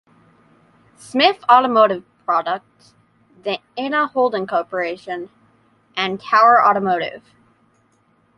Smith Automotive Products, Dana Holding Corporation, and Tower Automotive.